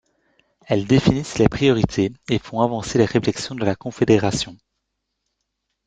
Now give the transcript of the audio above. Elles définissent les priorités et font avancer les réflexions de la Confédération.